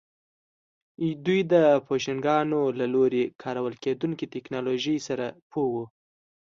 دوی د بوشنګانو له لوري کارول کېدونکې ټکنالوژۍ سره پوه وو